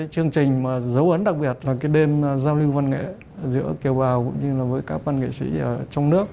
chương trình giấu ấn đặc biệt là đêm giao lưu văn nghệ giữa kiều bào cũng như các văn nghệ sĩ trong nước